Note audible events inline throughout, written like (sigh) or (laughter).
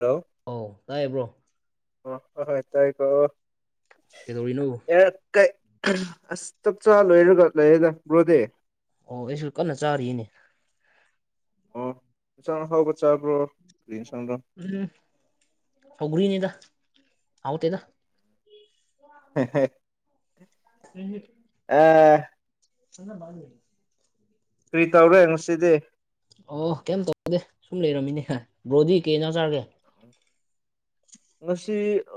Hello ꯑꯧ ꯇꯥꯏꯌꯦ bro ꯑꯣ ꯑꯣꯍꯣꯏ ꯇꯥꯏ ꯀꯣ ꯀꯩꯗꯧꯔꯤꯅꯣ ꯑꯦ ꯀꯩ ꯑꯁ ꯆꯛ ꯆꯥ ꯂꯣꯏꯔꯒꯥ ꯂꯩꯔꯦꯗ ꯕ꯭ꯔꯣꯗꯤ ꯑꯣ ꯑꯩꯁꯨ ꯀꯟꯅ ꯆꯥꯔꯤꯅꯦ ꯑꯣ ꯏꯟꯆꯥꯡ ꯑꯍꯥꯎ ꯆꯥꯕ꯭ꯔꯣ ꯀꯔꯤ ꯏꯟꯁꯥꯡꯂꯥ ꯎꯝ ꯁꯧꯒ꯭ꯔꯤꯅꯤꯗ ꯍꯥꯎꯇꯦꯗ (unintelligible) (unintelligible) ꯑꯥ (unintelligible) ꯀꯔꯤ ꯇꯧꯔꯦ ꯉꯁꯤꯗꯤ ꯑꯣ ꯀꯩꯝ ꯇꯧꯗꯦ ꯁꯨꯝ ꯂꯩꯔꯝꯃꯤꯅꯦ ꯕ꯭ꯔꯣꯗꯤ ꯀꯩ ꯏꯟꯖꯥꯡ ꯆꯥꯔꯒꯦ ꯉꯁꯤ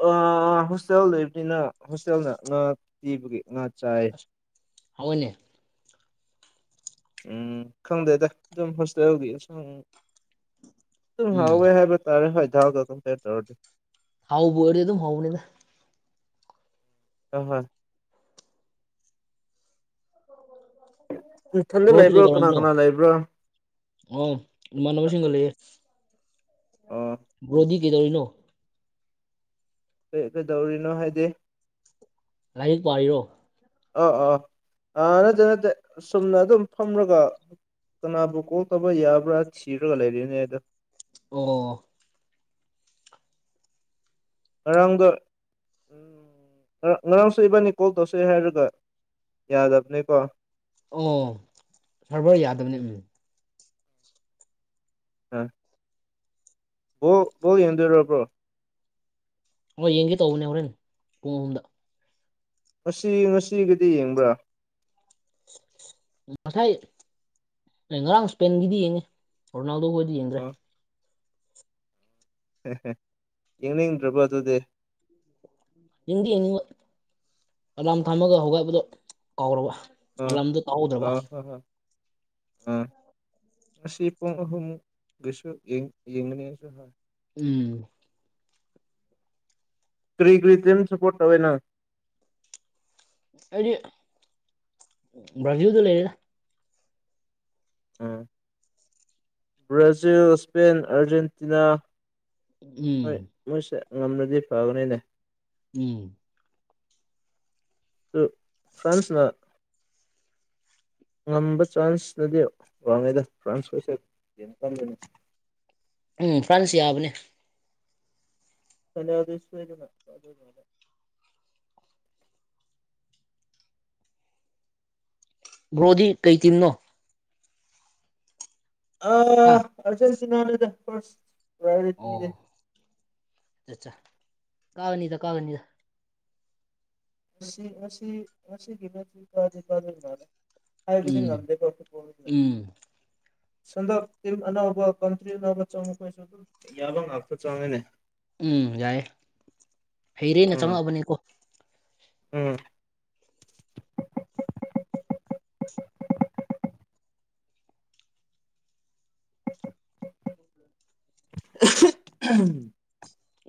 ꯑꯥ ꯍꯣꯁꯇꯦꯜ ꯂꯩꯕꯅꯤꯅ ꯍꯣꯁꯇꯦꯜꯅ ꯉꯥ ꯄꯤꯕꯒꯤ ꯉꯥ ꯆꯥꯏ ꯍꯥꯎꯋꯤꯅꯦ ꯎꯝ ꯈꯪꯗꯦꯗ ꯑꯗꯨꯝ ꯍꯣꯁꯇꯦꯜꯒꯤ ꯏꯟꯁꯥꯡ ꯑꯗꯨꯝ ꯎꯝ ꯍꯥꯎꯋꯦ ꯍꯥꯏꯕ ꯇꯥꯔꯦ ꯍꯣꯏ ꯗꯥꯜꯒꯥ ꯀꯝꯄꯤꯌꯥꯔ ꯇꯧꯔꯗꯤ ꯍꯥꯎꯕꯨꯔꯗꯤ ꯑꯗꯨꯝ ꯍꯥꯎꯕꯅꯤꯗ ꯑꯥ ꯍꯣꯏ ꯅꯊꯟꯗ ꯕ꯭ꯔꯣꯗꯤ ꯂꯩꯕ꯭ꯔꯥ ꯀꯅꯥ ꯀꯩꯗꯧꯔꯝꯃꯤꯅꯣ ꯀꯅꯥ ꯂꯩꯕ꯭ꯔꯥ ꯑꯣ ꯏꯃꯥꯟꯅꯕꯁꯤꯡꯒ ꯂꯩꯌꯦ ꯑꯣ ꯕ꯭ꯔꯣꯗꯤ ꯀꯩꯗꯧꯔꯤꯅꯣ ꯀꯩ ꯀꯩꯗꯧꯔꯤꯅꯣ ꯍꯥꯏꯗꯤ ꯂꯥꯏꯔꯤꯛ ꯄꯥꯔꯤꯔꯣ ꯑꯥ ꯑꯥ ꯑꯥ ꯅꯠꯇꯦ ꯅꯠꯇꯦ ꯁꯨꯝꯅ ꯑꯗꯨꯝ ꯐꯝꯔꯒ ꯀꯅꯥꯕꯨ ꯀꯣꯜ ꯇꯧꯕ ꯌꯥꯕ꯭ꯔꯥ ꯊꯤꯔꯒ ꯂꯩꯔꯤꯅꯦ ꯑꯗꯨ ꯑꯣ ꯉꯔꯥꯡꯗꯣ ꯉꯔꯥꯡꯁꯨ ꯏꯕꯥꯅꯤ ꯀꯣꯜ ꯇꯧꯁꯦ ꯍꯥꯏꯔꯒ ꯌꯥꯗꯕꯅꯤꯀꯣ ꯑꯣ ꯁꯔꯚꯔ ꯌꯥꯗꯕꯅꯤ ꯑ ꯕꯣꯜ ꯕꯣꯜ ꯌꯦꯡꯗꯣꯏꯔꯣ ꯕ꯭ꯔꯣ ꯍꯣꯏ ꯌꯦꯡꯒꯦ ꯇꯧꯕꯅꯦ ꯍꯣꯔꯦꯟ ꯄꯨꯡ ꯑꯍꯨꯝꯗ ꯉꯁꯤ ꯉꯁꯤꯒꯤꯗꯤ ꯌꯦꯡꯕ꯭ꯔꯥ ꯉꯁꯥꯏ ꯉꯔꯥꯡ ꯏꯁꯄꯦꯟꯒꯤꯗꯤ ꯌꯦꯡꯉꯦ ꯔꯣꯅꯥꯜꯗꯣ ꯈꯣꯏꯗꯤ ꯌꯦꯡꯗ꯭ꯔꯦ ꯑꯣ ꯍꯦ ꯍꯦ ꯌꯦꯡꯅꯤꯡꯗ꯭ꯔꯕ ꯑꯗꯨꯗꯤ ꯌꯦꯡꯗꯤ ꯌꯦꯡꯅꯤꯡꯕ ꯑꯂꯥꯝ ꯊꯝꯃꯒ ꯍꯧꯒꯠꯄꯗꯣ ꯀꯥꯎꯔꯕ ꯑ ꯑꯂꯥꯝꯗꯣ ꯇꯥꯍꯧꯗ꯭ꯔꯕ ꯑ ꯍ ꯍ ꯑꯥ ꯉꯁꯤ ꯄꯨꯡ ꯑꯍꯨꯝ ꯒꯤꯁꯨ ꯌꯦꯡ ꯌꯦꯡꯒꯅꯤ ꯑꯩꯁꯨ ꯍꯣꯏ ꯎꯝ ꯀꯔꯤ ꯀꯔꯤ ꯇꯤꯝ ꯁꯄꯣꯔꯠ ꯇꯧꯋꯦꯅꯪ ꯑꯩꯗꯤ ꯕ꯭ꯔꯖꯤꯜꯗ ꯂꯩꯌꯦꯗ ꯎꯝ ꯕ꯭ꯔꯥꯖꯤꯜ ꯏꯁꯄꯦꯟ ꯑꯔꯖꯦꯟꯇꯤꯅꯥ ꯍꯣꯏ ꯎꯝ ꯃꯣꯏꯁꯦ ꯉꯝꯔꯗꯤ ꯐꯕꯅꯤꯅꯦ ꯎꯝ ꯑꯗꯨ ꯐ꯭ꯔꯥꯟꯁꯅ ꯉꯝꯕ ꯆꯥꯟꯁꯅꯗꯤ ꯋꯥꯡꯉꯦꯗ ꯐ꯭ꯔꯥꯟꯁ ꯈꯣꯏꯁꯦ (unintelligible) ꯎꯝ ꯐ꯭ꯔꯥꯟꯁ ꯌꯥꯕꯅꯦ (unintelligible) ꯕ꯭ꯔꯣꯗꯤ ꯀꯩ ꯇꯤꯝꯅꯣ ꯑ ꯍꯥ ꯑꯔꯖꯦꯟꯇꯤꯅꯥꯅꯦꯗ ꯐꯔꯁ ꯑꯣ ꯆꯆꯥ ꯀꯥꯒꯅꯤꯗ ꯀꯥꯒꯅꯤꯗ ꯉꯁꯤ ꯉꯁꯤ ꯉꯁꯤꯒꯤ ꯃꯦꯠꯁꯇꯤ ꯀꯥꯗꯤ ꯀꯥꯗꯣꯏ ꯃꯥꯜꯂꯦ ꯍꯥꯏꯗꯤ ꯎꯝ ꯉꯗꯦꯀꯣ ꯐꯨꯠꯕꯣꯜꯅꯤꯅ ꯎꯝ ꯍꯟꯗꯛ ꯇꯤꯝ ꯑꯅꯧꯕ ꯀꯟꯇ꯭ꯔꯤ (unintelligible) ꯑꯗꯨꯝ ꯌꯥꯕ ꯉꯥꯛꯇ ꯆꯪꯉꯦꯅꯦ ꯎꯝ ꯌꯥꯏꯌꯦ ꯍꯩꯔꯦꯅ ꯎꯝ ꯆꯪꯉꯛꯑꯕꯅꯦꯀꯣ ꯎꯝ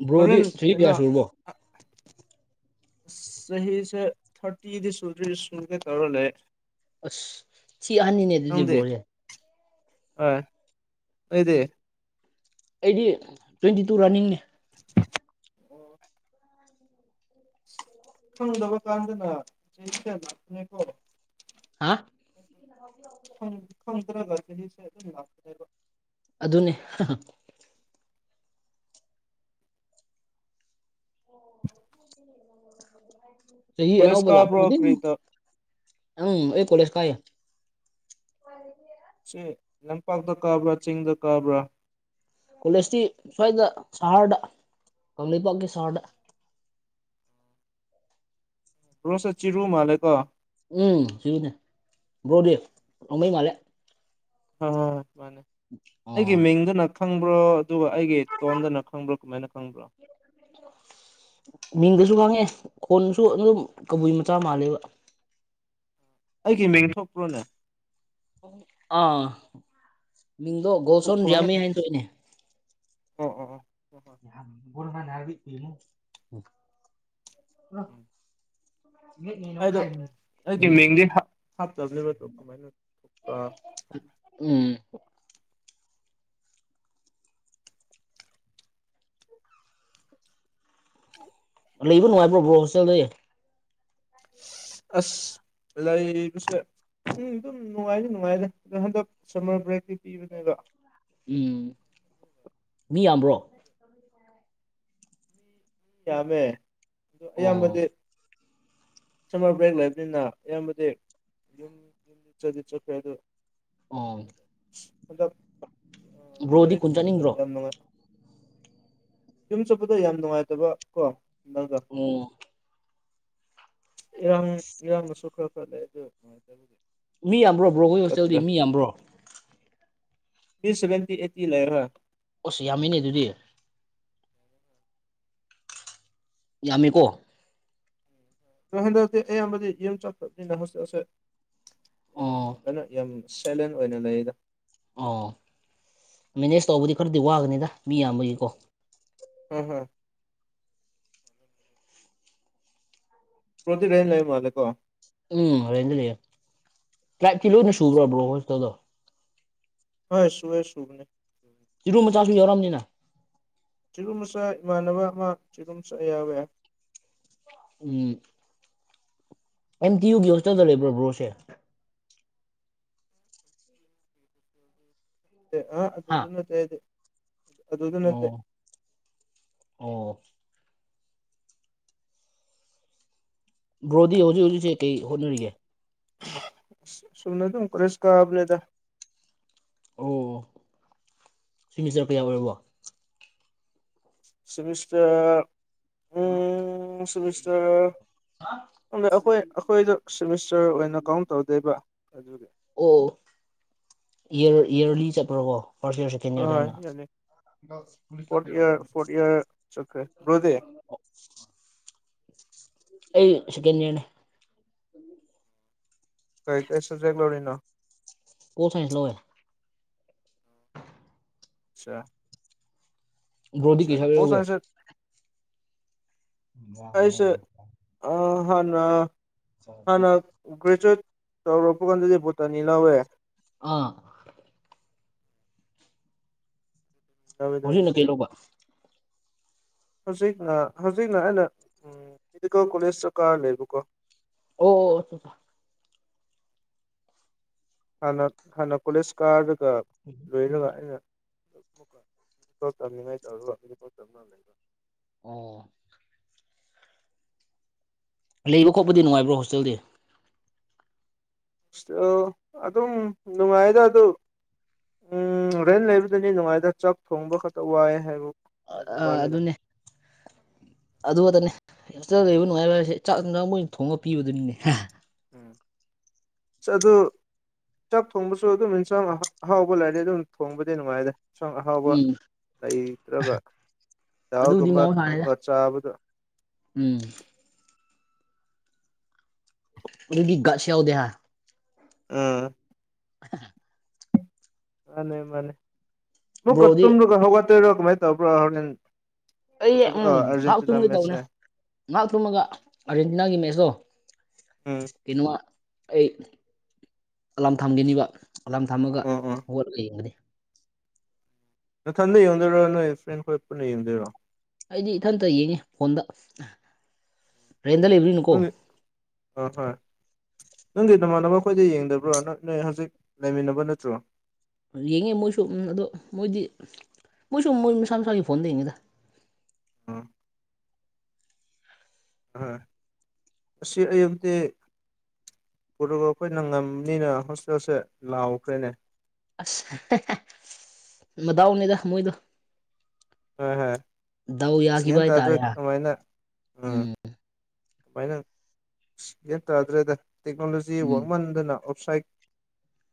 ꯕ꯭ꯔꯣꯗꯤ ꯍꯣꯔꯦꯟ ꯆꯍꯤ ꯀꯌꯥ ꯀꯩꯅꯣ ꯁꯨꯔꯕꯣ ꯆꯍꯤꯁꯦ ꯊꯥꯔꯇꯤꯗꯤ ꯁꯨꯗ꯭ꯔꯤ ꯁꯨꯒꯦ ꯇꯧꯔ ꯂꯩ ꯑꯁ ꯊꯤ ꯑꯍꯟꯅꯤꯅꯦ ꯑꯗꯨꯗꯤ ꯅꯪꯗꯤ ꯕ꯭ꯔꯣꯁꯦ ꯍꯣꯏ ꯑꯩꯗꯤ ꯑꯩꯗꯤ ꯇ꯭ꯋꯦꯟꯇꯤ ꯇꯨ ꯔꯟꯅꯤꯡꯅꯦ (unintelligible) ꯈꯪꯗꯕ ꯀꯥꯟꯗꯅ (unintelligible) ꯄꯅꯦꯀꯣ ꯍꯥ ꯈꯣ ꯈꯪꯗ꯭ꯔꯒ ꯆꯍꯤꯁꯦ ꯑꯗꯨꯝ ꯂꯥꯛꯄꯅꯦꯕ ꯑꯗꯨꯅꯦ ꯆꯍꯤ ꯀꯣꯂꯦꯖ ꯑꯅꯧꯕ ꯂꯥꯛꯄ ꯀꯥꯕ꯭ꯔꯣ ꯈꯨꯗꯤꯡ ꯀꯔꯤ ꯎꯝ ꯑꯩ ꯀꯣꯂꯦꯁ ꯀꯥꯏ ꯁꯤ ꯂꯝꯄꯥꯛꯇ ꯀꯥꯕ꯭ꯔꯥ ꯆꯤꯡꯗ ꯀꯥꯕ꯭ꯔꯥ ꯀꯣꯂꯦꯖꯇꯤ ꯁ꯭ꯋꯥꯏꯗ ꯁꯍꯔꯗ ꯀꯪꯂꯩꯄꯥꯛꯀꯤ ꯁꯍꯔꯗ ꯕ꯭ꯔꯣꯁꯦ ꯆꯤꯔꯨ ꯃꯥꯜꯂꯦꯀꯣ ꯎꯝ ꯆꯤꯔꯨꯅꯦ ꯕ꯭ꯔꯣꯗꯤ (unintelligible) ꯃꯥꯜꯂꯦ ꯍꯣ ꯍꯣ ꯍꯣꯏ ꯃꯥꯅꯦ ꯑꯣ ꯑꯩꯒꯤ ꯃꯤꯡꯗꯨꯅ ꯈꯪꯕ꯭ꯔꯣ ꯑꯗꯨꯒ ꯑꯩꯒꯤ ꯇꯣꯟꯗꯅ ꯈꯪꯕ꯭ꯔꯣ ꯀꯃꯥꯏꯅ ꯈꯪꯕ꯭ꯔꯣ ꯃꯤꯡꯗꯁꯨ ꯈꯪꯉꯦ ꯈꯣꯟꯁꯨ ꯑꯗꯨꯝ ꯀꯕꯨꯏ ꯃꯆꯥ ꯃꯥꯜꯂꯦꯕ ꯑꯩꯒꯤ ꯃꯤꯡ ꯊꯣꯛꯄ꯭ꯔꯣꯅꯦ ꯑꯥ ꯃꯤꯡꯗꯣ ꯒꯣꯜꯁꯣꯟ ꯀꯃꯥꯏꯅ ꯔꯤꯌꯥꯃꯤ ꯍꯥꯏꯅ ꯊꯣꯛꯏꯅꯦ ꯑꯣ ꯑꯣ ꯑꯣ ꯍꯣꯏ ꯍꯣꯏ ꯎꯝ (unintelligible) (unintelligible) ꯑꯩꯗꯣ ꯑꯩꯒꯤ ꯎꯝ ꯃꯤꯡꯗꯤ ꯍꯞ ꯍꯥꯞꯇꯕꯅꯦꯕꯗꯣ ꯀꯃꯥꯏꯅ (unintelligible) ꯎꯝ ꯂꯩꯕ ꯅꯨꯡꯉꯥꯏꯕ꯭ꯔꯣ ꯕ꯭ꯔꯣ ꯍꯣꯁꯇꯦꯜꯗꯤ ꯑꯁ ꯂꯩꯕꯁꯦ ꯎꯝ ꯑꯗꯨꯝ ꯅꯨꯡꯉꯥꯏꯗꯤ ꯅꯨꯡꯉꯥꯏꯗꯥ ꯑꯗꯣ ꯍꯟꯗꯛ ꯁꯝꯃꯔ ꯕ꯭ꯔꯦꯛꯇꯤ ꯄꯤꯕꯅꯦꯕ ꯎꯝ ꯃꯤ ꯌꯥꯝꯕ꯭ꯔꯣ ꯌꯥꯝꯃꯦ ꯑꯗꯨ ꯑꯌꯥꯝꯕꯗꯤ ꯑꯣ ꯁꯝꯃꯔ ꯕ꯭ꯔꯦꯛ ꯂꯩꯕꯅꯤꯅ ꯑꯌꯥꯝꯕꯗꯤ ꯆꯠꯇꯤ ꯆꯠꯈ꯭ꯔꯦ ꯑꯗꯨ ꯑꯣ ꯍꯟꯗꯛ ꯑ ꯕ꯭ꯔꯣꯗꯤ ꯈꯨꯟ (unintelligible) ꯆꯠꯅꯤꯡꯗ꯭ꯔꯣ ꯌꯥꯝ ꯅꯨꯡꯉꯥꯏ ꯌꯨꯝ ꯆꯠꯄꯗ ꯌꯥꯝ ꯅꯨꯡꯉꯥꯏꯇꯕꯀꯣ ꯅꯪꯒ ꯎꯝ ꯏꯌꯥꯡ ꯏꯌꯥꯝꯕꯁꯨ ꯈꯔ ꯈꯔ ꯂꯩ ꯑꯗꯨ ꯅꯨꯡꯉꯥꯏꯇꯕꯒꯤ ꯃꯤ ꯌꯥꯝꯕ꯭ꯔꯣ ꯕ꯭ꯔꯣꯈꯣꯏ ꯍꯣꯁꯇꯦꯜꯗꯤ ꯆꯠꯇ꯭ꯔꯦ ꯃꯤ ꯌꯥꯝꯕ꯭ꯔꯣ ꯃꯤ ꯁꯦꯚꯦꯟꯇꯤ ꯑꯩꯠꯇꯤ ꯂꯩꯔꯥ ꯑꯣꯁ ꯌꯥꯝꯃꯤꯅꯦ ꯑꯗꯨꯗꯤ ꯌꯥꯝꯃꯤꯀꯣ ꯕ꯭ꯔꯣ ꯍꯟꯗꯛꯇꯤ ꯑꯌꯥꯝꯕꯗꯤ ꯌꯨꯝ ꯆꯠꯄꯅꯤꯅ ꯍꯣꯁꯇꯦꯜꯁꯦ ꯎꯝ ꯑꯣ ꯀꯩꯅꯣ ꯌꯥꯝ ꯁꯥꯏꯂꯦꯟ ꯑꯣꯏꯅ ꯂꯩꯗ ꯑꯣ ꯃꯦꯅꯦꯖ ꯇꯧꯕꯗꯤ ꯈꯔꯗꯤ ꯋꯥꯒꯅꯤꯗ ꯃꯤ ꯌꯥꯝꯕꯒꯤꯀꯣ ꯍꯣꯏ ꯍꯣꯏ ꯕ꯭ꯔꯣꯗꯤ ꯔꯦꯟ ꯂꯩꯕ ꯃꯥꯜꯂꯤꯀꫭ ꯎꯝ ꯔꯦꯟꯗ ꯂꯩꯌꯦ ꯇ꯭ꯔꯥꯏꯞꯇꯤ ꯂꯣꯏꯅ ꯁꯨꯕ꯭ꯔꯣ ꯕ꯭ꯔꯣ ꯍꯣꯏ ꯍꯣꯁꯇꯦꯜꯗꯣ ꯍꯣꯏ ꯁꯨꯌꯦ ꯁꯨꯕꯅꯦ ꯆꯤꯔꯨ ꯃꯆꯥꯁꯨ ꯌꯥꯎꯔꯝꯅꯤꯅ ꯆꯤꯔꯨ ꯃꯆꯥ ꯏꯃꯥꯟꯅꯕ ꯑꯃ ꯆꯤꯔꯨ ꯃꯆꯥ ꯌꯥꯎꯋꯦ ꯎꯝ ꯑꯦꯝ ꯗꯤ ꯌꯨꯒꯤ ꯍꯣꯁꯇꯦꯜꯗ ꯂꯩꯕ꯭ꯔꯣ ꯕ꯭ꯔꯣꯁꯦ ꯑꯥ ꯍꯥ ꯑꯗꯨꯗ ꯅꯠꯇꯦ ꯑꯩꯗꯤ ꯑꯗꯨꯗ ꯅꯠꯇꯦ ꯑꯣ ꯑꯣ ꯕ꯭ꯔꯣꯗꯤ ꯍꯧꯖꯤꯛ ꯍꯧꯖꯤꯛꯁꯦ ꯀꯩ ꯍꯣꯠꯅꯔꯤꯒꯦ ꯁꯨꯝꯅꯗꯨꯝ ꯀꯣꯂꯦꯖ ꯀꯥꯕꯅꯤꯗ ꯑꯣ ꯁꯤꯃꯤꯁꯇꯔ ꯀꯌꯥ ꯑꯣꯏꯔꯕꯣ ꯁꯤꯃꯤꯁꯇꯔ ꯎꯝ ꯁꯤꯃꯤꯁꯇꯔ ꯑꯩꯈꯣꯏ ꯑꯩꯈꯣꯏꯗꯣ ꯁꯤꯃꯤꯁꯇꯔ ꯑꯣꯏꯅ ꯀꯥꯎꯟ ꯇꯧꯗꯦꯕ ꯑꯗꯨꯒꯤ ꯑꯣ ꯏꯌꯔ ꯏꯌꯔꯂꯤ ꯆꯠꯄ꯭ꯔꯣꯀꯣ ꯐꯥꯔꯁ ꯏꯌꯔꯁꯤ ꯑꯣꯏ ꯌꯥꯅꯤ ꯐꯣꯔꯠ ꯏꯌꯔ ꯐꯣꯔꯠ ꯏꯌꯔ ꯆꯠꯈ꯭ꯔꯦ ꯕ꯭ꯔꯣꯗꯤ ꯑꯩ ꯁꯤꯀꯦꯟ ꯏꯌꯔꯅꯤ ꯀꯩ ꯀꯩ ꯁꯕꯖꯦꯛ ꯂꯧꯔꯤꯅꯣ꯫ ꯄꫭꯜ ꯁꯥꯏꯟꯁ ꯂꯧꯑꯦ꯫ (unintelligible) ꯕ꯭ꯔꫭꯗꯤ ꯀꯩ ꯁꯕꯖꯦꯛ ꯄꯣꯜ ꯂꯧꯒꯦ꯫ ꯁꯥꯏꯟꯁꯁꯦ ꯑꯩꯁꯦ ꯑꯥ ꯍꯥꯟꯅ ꯍꯥꯟꯅ ꯒ꯭ꯔꯦꯆꯨꯋꯦꯠ ꯇꯧꯔꯛꯄ ꯀꯥꯟꯗꯗꯤ ꯕꫭꯇꯥꯅꯤ ꯂꯧꯋꯦ꯫ ꯑꯥ꯫ ꯂꯧꯋꯦꯗ ꯑꯩꯗꯣ ꯍꯧꯖꯤꯛꯅ ꯀꯩ ꯂꯧꯕ꯫ ꯍꯧꯖꯤꯛꯅ ꯍꯧꯖꯤꯛꯅ ꯑꯩꯅ ꯎ ꯃꯦꯗꯤꯀꯦꯜ ꯀꯣꯂꯦꯖꯗ ꯀꯥꯔ ꯂꯩꯕꯀꯣ꯫ ꯑꯣ ꯑꫭ꯫ ꯍꯥꯟꯅ ꯍꯥꯟꯅ ꯀꯣꯂꯦꯖ ꯀꯥꯔꯒ ꯂꯣꯏꯔꯒ ꯑꯩꯅ (inaudible) ꯑꯣ꯫ ꯂꯩꯕ ꯈꯣꯠꯄꯗꯤ ꯅꯨꯡꯉꯥꯏꯕ꯭ꯔꯣ ꯍꯣꯁꯇꯦꯜꯗꯤ꯫ ꯁ꯭ꯇꯦꯜ ꯑꯗꯨꯝ ꯅꯨꯡꯉꯥꯏꯗ ꯑꯗꯨ ꯎꯝ ꯔꯦꯟ ꯂꯩꯕꯗꯅꯤ ꯅꯨꯡꯉꯥꯏꯗ ꯆꯥꯛ ꯊꯣꯡꯕ ꯈꯛꯇ ꯋꯥꯏ ꯍꯥꯏꯕꯨ ꯑ ꯑ ꯑꯗꯨꯅꯦ꯫ ꯑꯗꯨꯈꯗꯅꯦ ꯍꯣꯁꯇꯦꯜ ꯂꯩꯕ ꯅꯨꯡꯉꯥꯏꯕ ꯍꯥꯏꯁꯦ ꯆꯥꯛ ꯍꯦꯟꯁꯥꯡ ꯃꯣꯏꯅ ꯊꯣꯡꯉ ꯄꯤꯕꯗꯨꯅꯤꯅꯦ ꯍꯥ꯫ ꯎꯝ ꯑꯗꯨ ꯆꯥꯛ ꯊꯣꯡꯕꯁꯨ ꯑꯗꯨꯝ ꯏꯟꯁꯥꯡ ꯑꯍꯥꯎꯕ ꯂꯩꯔꯗꯤ ꯑꯗꯨꯝ ꯊꯣꯡꯕꯗꯤ ꯅꯨꯡꯉꯥꯏꯗ꯫ ꯏꯁꯥꯡ ꯑꯍꯥꯎꯕ ꯎꯝ ꯂꯩꯇ꯭ꯔꯒ ꯑꯗꯨꯕꯨꯗꯤ ꯗꯥꯜꯒꯨꯝꯕ ꯃꯍꯧꯁꯥꯅꯤꯗ ꯊꯣꯡꯉꯒ ꯆꯥꯕꯗꯨ ꯎꯝ꯫ ꯑꯗꯨꯒꯤ ꯒꯠꯁ ꯌꯧꯗꯦ ꯍꯥ꯫ ꯎꯝ꯫ (unintelligible) ꯃꯥꯅꯦ ꯃꯥꯅꯦ ꯑꯥꯃꯨꯛꯀ ꯕ꯭ꯔꯣꯗꯤ ꯇꯨꯝꯔꯒ ꯍꯧꯒꯠ ꯇꯣꯏꯔꯥ ꯀꯥꯃꯥꯏ ꯇꯧꯕꯔꯥ ꯅꯪ ꯑꯩ ꯎꯝ ꯉꯥꯏꯍꯥꯛ ꯇꯨꯝꯒꯦ ꯇꯧꯕꯅꯦ ꯃꯦꯠꯁꯁꯦ ꯉꯥꯏꯍꯥꯛ ꯇꯨꯝꯃꯒ ꯑꯥꯔꯖꯦꯟꯇꯤꯅꯥꯒꯤ ꯃꯦꯠꯆꯇꯣ ꯎꯝ꯫ ꯀꯩꯅꯣꯃꯥ ꯑꯩ ꯑꯂꯥꯝ ꯊꯝꯒꯤꯅꯤꯕ꯫ ꯑꯂꯥꯝ ꯊꯝꯃꯒ ꯎꯝ ꯎꯝ ꯍꯧꯒꯠꯂꯒ ꯌꯦꯡꯕꯅꯤ꯫ ꯅꯊꯟꯗ ꯌꯦꯡꯗꯣꯏꯔꯣ ꯅꯣꯏ ꯐ꯭ꯔꯦꯟ ꯈꯣꯏ ꯄꯨꯟꯅ ꯌꯦꯡꯗꯣꯏꯔꯣ꯫ ꯑꯩꯗꯤ ꯏꯊꯟꯇ ꯌꯦꯡꯉꯦ ꯐꯣꯟꯗ ꯔꯦꯟꯠꯗꯥ ꯂꯩꯕꯅꯤꯅ (inaudible) ꯍꯣꯏ ꯍ‌ꯣꯏ꯫ ꯅꯪꯒꯤ ꯅꯃꯥꯟꯅꯕ ꯈꯣꯏꯗꯤ ꯌꯦꯡꯗꯕ꯭ꯔꯣ ꯅꯪ ꯅꯣꯏ ꯍꯧꯖꯤꯛ ꯂꯩꯃꯤꯟꯅꯕ ꯅꯠꯇ꯭ꯔꯣ꯫ ꯌꯦꯡꯉꯦ ꯃꯣꯏꯁꯨ ꯎꯝ ꯑꯗꯣ ꯃꯣꯏꯗꯤ ꯃꯣꯏꯁꯨ ꯃꯣꯏ ꯃꯁꯥ ꯃꯁꯥꯒꯤ ꯐꯣꯟꯗ ꯌꯦꯡꯉꯤꯗ꯫ ꯑꯣ꯫ ꯍꫭꯏ ꯑꯁꯤ ꯑꯌꯨꯛꯇꯤ ꯄꯣꯔꯇꯨꯒꯥꯜ ꯈꯣꯏꯅ ꯉꯝꯅꯤꯅ ꯍꯣꯁꯇꯦꯜꯁꯦ ꯂꯥꯎꯈ꯭ꯔꯦꯅꯦ꯫ (unintelligible) ꯃꯗꯥꯎꯅꯤꯗ ꯃꯣꯏꯗꯣ꯫ ꯍꯣꯏ ꯍꯣꯏ ꯗꯎ ꯑꯁ ꯌꯥꯈꯤꯕ ꯒ꯭ꯌꯥꯟ ꯍꯥꯏ ꯇꯥꯗ꯭ꯔꯦ ꯇꯥꯔꯦ ꯍꯥ ꯀꯃꯥꯏꯅ ꯎꯝ꯫ ꯐꯥꯏꯅꯜ ꯒꯌ꯭ꯥꯟ ꯇꯥꯗ꯭ꯔꯦꯗ ꯇꯦꯛꯅꯣꯂꯣꯖꯤ ꯎꯝ ꯋꯥꯡꯃꯟꯗꯅ ꯑꯣꯞꯁꯥꯏꯠ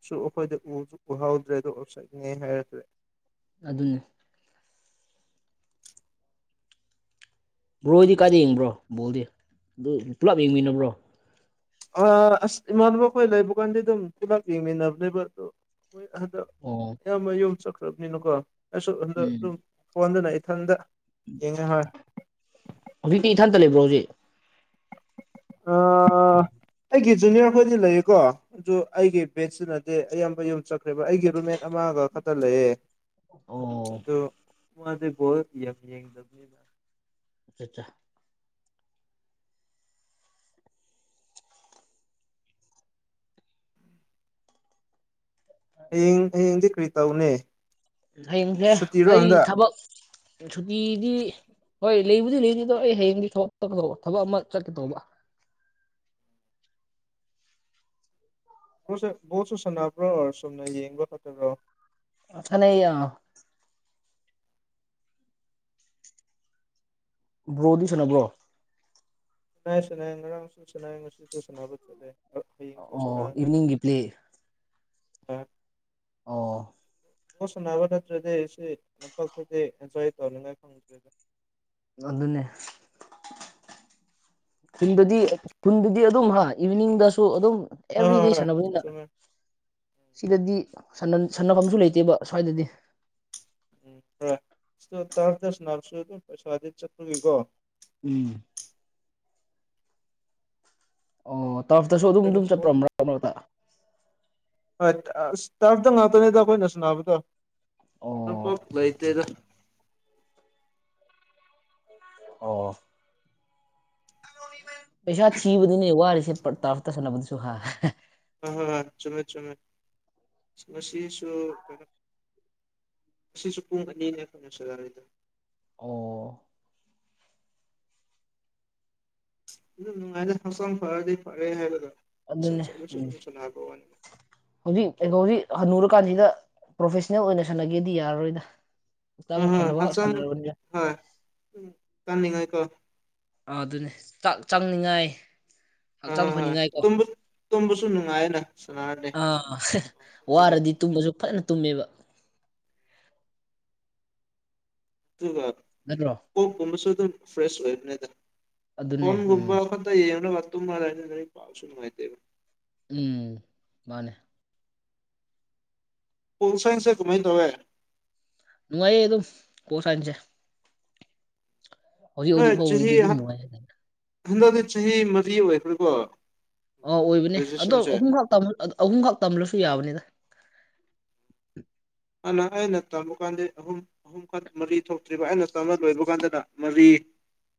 ꯁꯨ ꯑꯩꯈꯣꯏꯗ ꯎꯁꯨ ꯎꯍꯥꯎꯗ꯭ꯔꯦ ꯑꯗꯣ ꯑꯣꯞꯁꯥꯏꯠ ꯅꯤ ꯍꯥꯏꯔꯛꯈ꯭ꯔꯦ꯫ ꯑꯗꯨꯅꯦ꯫ ꯕ꯭ꯔꯣꯗꯤ ꯀꯥꯏꯗ ꯌꯦꯡꯕ꯭ꯔꯣ ꯕꯣꯜꯗꯤ ꯑꯗꯨ ꯄꯨꯂꯞ ꯌꯦꯡꯃꯤꯟꯅꯕ꯭ꯔꯣ꯫ ꯑ ꯑꯁ ꯏꯃꯥꯟꯅꯕ ꯈꯣꯏ ꯂꯩꯕ ꯀꯥꯟꯗꯤ ꯑꯗꯨꯝ ꯄꯨꯜꯂꯞ ꯌꯦꯡꯃꯤꯟꯅꯕꯅꯦꯕ ꯑꯗꯣ ꯃꫭꯏ ꯍꯟꯗꯛ ꯑꯣ ꯑꯌꯥꯝꯕ ꯌꯨꯝ ꯆꯠꯈ꯭ꯔꯕꯅꯤꯅꯀꯣ ꯑꯩꯁꯨ ꯑꯗꯨꯗ ꯎꯝ ꯑꯗꯨꯝ ꯐꯣꯟꯗꯨꯅ ꯏꯊꯟꯇ ꯌꯦꯡꯉꯦ ꯍꯣꯏ꯫ ꯍꯧꯖꯤꯛꯇꯤ ꯏꯊꯟꯇ ꯂꯩꯕ꯭ꯔꯣ ꯍꯧꯖꯤꯛ꯫ ꯑ ꯑꯩꯒꯤ ꯖꯨꯅꯤꯌꯔ ꯈꯣꯏꯗꯤ ꯂꯩꯌꯦꯀꯣ꯫ ꯑꯗꯨ ꯑꯩꯒꯤ ꯕꯦꯠꯁꯤꯅꯗꯤ ꯑꯌꯥꯝꯕ ꯌꯨꯝ ꯆꯠꯈ꯭ꯔꯦꯕ ꯑꯩꯒꯤ ꯔꯨꯝꯃꯦꯠ ꯑꯃꯥꯒ ꯈꯛꯇ ꯂꯩꯌꯦ ꯑꯣ ꯑꯗꯣ ꯃꯥꯁꯦ ꯕꯣꯜ ꯌꯥꯝ ꯌꯦꯡꯗꯕꯅꯤꯗ ꯑꯆꯠꯆꯥ ꯍꯌꯦꯡ ꯍꯌꯦꯡꯗꯤ ꯀꯔꯤ ꯇꯧꯅꯤ ꯍꯌꯦꯡꯁꯦ ꯁꯨꯇꯤꯔꯣ ꯑꯩ ꯍꯟꯗꯛ ꯊꯕꯛ ꯁꯨꯇꯤꯗꯤ ꯍꯣꯏ ꯂꯩꯕꯨꯗꯤ ꯂꯩꯅꯤ ꯑꯗꯣ ꯑꯩ ꯍꯌꯦꯡꯗꯤ ꯊꯕꯛ ꯇꯣꯛꯀꯗꯧꯕ ꯊꯕꯛ ꯑꯃ ꯆꯠꯀꯦ ꯇꯧꯕ ꯕ꯭ꯔꯣꯁꯦ ꯕꯣꯜꯁꯨ ꯁꯅꯥꯕ꯭ꯔꯣ ꯆꯨꯝꯅ ꯌꯦꯡꯕ ꯈꯛꯇꯪꯔꯣ ꯁꯥꯅꯩꯑꯦ ꯕ꯭ꯔꯣꯗꯤ ꯁꯥꯅꯕ꯭ꯔꯣ ꯁꯥꯅꯩꯏꯌꯦ ꯁꯥꯅꯩꯏꯌꯦ ꯉꯥꯔꯥꯡꯁꯨ ꯁꯥꯅꯩꯌꯦ ꯉꯁꯤꯁꯨ ꯁꯥꯅꯕ ꯆꯠꯂꯦ ꯑ ꯍꯌꯦꯡꯁꯨ ꯑꯣ ꯁꯥꯅꯒꯅꯤ ꯏꯚꯤꯅꯤꯡꯒꯤ ꯄ꯭ꯂꯦ ꯑꯥ ꯑꯣ ꯕꯣꯜ ꯁꯥꯟꯅꯕ ꯅꯠꯇ꯭ꯔꯗꯤ ꯁꯤ ꯂꯝꯄꯥꯛꯇꯗꯤ ꯑꯦꯟꯖꯣꯏ ꯇꯧꯅꯤꯡꯉꯥꯏ ꯈꯪꯗꯦꯗ ꯑꯗꯨꯅꯦ ꯈꯨꯟꯗꯗꯤ ꯈꯨꯟꯗꯗꯤ ꯑꯗꯨꯝ ꯍꯥ ꯏꯚꯤꯅꯤꯡꯗꯁꯨ ꯑꯗꯨꯝ ꯍꯣꯏ ꯍꯣꯏ ꯑꯦꯕ꯭ꯔꯤꯗꯦ ꯍꯣꯏ ꯁꯥꯟꯅꯕꯅꯤꯅ ꯆꯨꯝꯃꯦ ꯁꯤꯗꯗꯤ ꯁꯥꯟꯅꯐꯝꯁꯨ ꯂꯩꯇꯦꯕ ꯁ꯭ꯋꯥꯏꯗꯗꯤ ꯎꯝ ꯍꯣꯢ ꯇꯥ꯭ꯔꯞ ꯇ ꯁꯥꯅꯕꯁꯨ ꯑꯗꯨꯝ ꯄꯩꯁꯥ ꯆꯠꯄꯒꯤꯀꯣ ꯎꯝ ꯇꯥꯔꯞꯇꯁꯨ ꯑꯗꯨꯝ ꯑꯗꯨꯝ ꯆꯠꯄ꯭ꯔꯣ ꯍꯣꯏ ꯃꯔꯛ ꯃꯔꯛꯇ ꯍꯣꯏ ꯑ ꯇꯔꯞꯇ ꯉꯥꯛꯇꯅꯦꯗ ꯑꯩꯈꯣꯏꯅ ꯁꯥꯟꯅꯕꯗꯣ ꯑꯣ ꯂꯥꯝꯄꯥꯛ ꯂꯩꯇꯦꯗ ꯑꯣ ꯄꯩꯁꯥ ꯊꯤꯕꯗꯤꯅꯦ ꯋꯥꯔꯤꯁꯦ ꯇꯥꯔꯞꯇ ꯁꯥꯟꯅꯕꯁꯨ ꯍꯥ ꯍꯣꯢ ꯍꯣꯏ ꯆꯨꯝꯃꯦ ꯆꯨꯝꯃꯦ ꯉꯁꯤꯁꯨ ꯀꯩꯅꯣ ꯉꯁꯤꯁꯨ ꯄꯨꯡ ꯑꯅꯤꯅꯦ ꯁꯥꯟꯅꯔꯤꯗꯣ ꯑꯣ ꯅꯨꯡꯉꯥꯏꯗꯤ ꯍꯁꯅ ꯐꯔꯗꯤ ꯐꯔꯦ ꯍꯥꯏꯕꯠ ꯆ ꯑꯗꯨꯅꯦ ꯑꯗꯨ ꯎꯝ (inaudible) ꯆꯅꯤ ꯍꯧꯖꯤꯛ ꯑꯩ (inaudible) ꯍꯧꯖꯤꯛ ꯍꯟꯅꯨꯔ ꯀꯥꯟꯁꯤꯗ ꯄ꯭ꯔꯣꯐꯦꯁꯅꯦꯜ ꯑꯣꯏꯅ ꯁꯜꯂꯒꯦꯗꯤ ꯌꯥꯔꯔꯣꯏꯗ ꯍꯥꯛꯆꯥꯡ ꯍꯣꯏ ꯍꯣꯏ ꯐꯅꯕ ꯍꯛꯆꯥꯡ ꯁꯥꯟꯅꯕꯅꯤꯗ ꯍꯣꯏ ꯆꯥꯅꯤꯡꯉꯩ ꯀꯣ ꯑꯗꯨꯅꯦ ꯆꯥꯛ ꯆꯪꯅꯤꯡꯉꯥꯏ ꯍꯣꯏ ꯍꯛꯆꯥꯡ ꯍꯣꯏ ꯍꯣꯏ ꯐꯅꯤꯡꯉꯥꯏꯀꯣ ꯇꯨꯝꯕ ꯇꯨꯝꯕꯁꯨ ꯅꯨꯡꯉꯥꯏꯌꯦꯅ ꯁꯥꯟꯅꯔꯗꯤ ꯑꯥ ꯋꯥꯔꯗꯤ ꯇꯨꯝꯕꯁꯨ ꯐꯖꯅ ꯇꯨꯝꯃꯦꯕ ꯑꯗꯨꯒ ꯅꯠꯇ꯭ꯔꯣ ꯀꯣꯛꯀꯨꯝꯕꯁꯨ ꯑꯗꯨꯝ ꯐ꯭ꯔꯦꯁ ꯑꯣꯏꯕꯅꯤꯗ ꯀ (inaudible) ꯑꯗꯨꯅꯦ ꯎꯝ ꯟꯒꯨꯝꯕ ꯌꯦꯡꯔꯒ ꯇꯨꯝꯃꯒ ꯂꯩꯕꯁꯨ ꯂꯩꯔꯒ ꯂꯥꯢꯔꯤꯛ ꯄꯥꯕꯁꯨ ꯅꯨꯡꯉꯥꯢꯇꯦꯕ ꯎꯝ ꯃꯥꯅꯦ ꯄꯣꯜ ꯁꯥꯏꯟꯁꯦ ꯀꯃꯥꯏ ꯇꯧꯋꯦ ꯅꯨꯡꯉꯥꯏꯌꯦ ꯑꯗꯨꯝ ꯄꯣꯜ ꯁꯥꯏꯟꯁꯦ ꯅꯣꯏ ꯍꯧꯖꯤꯛ ꯆꯍꯤ ꯐꯥꯎꯒꯤꯗꯤ ꯑꯗꯨꯝ ꯍꯥꯞ ꯅꯨꯡꯉꯥꯏ ꯍꯟꯗꯛꯗꯤ ꯆꯍꯤ ꯃꯔꯤ ꯑꯣꯏꯕꯔꯥꯀꯣ ꯑꯧ ꯑꯣꯏꯕꯅꯦ ꯑꯗꯣ ꯑꯍꯨꯝꯈꯛ ꯇꯝ ꯑꯍꯨꯝꯈꯛ ꯇꯝꯂꯁꯨ ꯌꯥꯕꯅꯤꯗ ꯍꯥꯟꯅ ꯑꯩꯅ ꯇꯝꯕ ꯀꯥꯟꯗ ꯑꯍꯨꯝ ꯑꯍꯨꯝ ꯈꯛ ꯃꯔꯤ ꯊꯣꯛꯇ꯭ꯔꯤꯕ ꯑꯩꯅ ꯇꯝꯕ ꯂꯣꯏꯕ ꯀꯥꯟꯗꯅ ꯃꯔꯤ